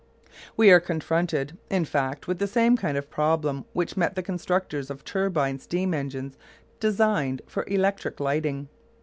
We are confronted, in fact, with the same kind of problem which met the constructors of turbine steam engines designed for electric lighting.